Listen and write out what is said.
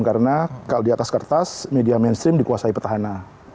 karena kalau di atas kertas media mainstream dikuasai petahana